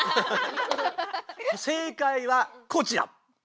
正かいはこちら！